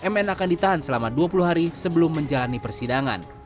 mn akan ditahan selama dua puluh hari sebelum menjalani persidangan